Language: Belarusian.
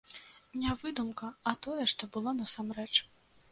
Не выдумка, а тое, што было насамрэч.